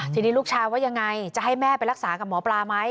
ทีนี้ลูกชายว่ายังไงจะให้แม่ไปรักษากับหมอปลาไหม